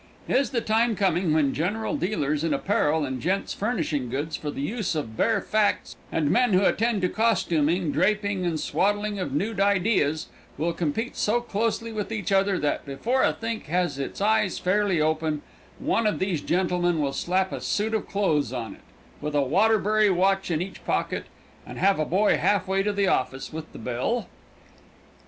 Is the time coming when general dealers in apparel and gents' furnishing goods for the use of bare facts, and men who attend to the costuming, draping, and swaddling of nude ideas, will compete so closely with each other that, before a think has its eyes fairly open, one of these gentlemen will slap a suit of clothes on it, with a Waterbury watch in each pocket, and have a boy half way to the office with the bill?